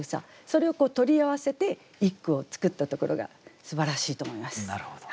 それをこう取り合わせて一句を作ったところがすばらしいと思います。